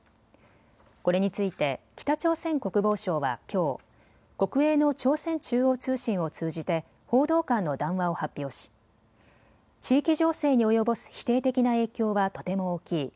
これについて北朝鮮国防省はきょう、国営の朝鮮中央通信を通じて報道官の談話を発表し地域情勢に及ぼす否定的な影響はとても大きい。